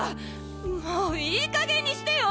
もういい加減にしてよ！